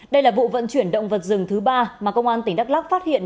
đây là vụ vận chuyển động vật rừng thứ ba mà công an tỉnh đắk lắc phát hiện